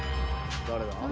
誰だ？